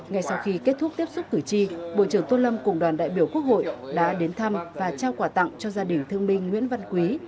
ngay sau khi kết thúc tiếp xúc cử tri bộ trưởng tôn lâm cùng đoàn đại biểu quốc hội đã đến thăm và trao quà tặng cho gia đình thương binh nguyễn văn quý